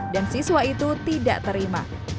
dan siswa itu tidak terima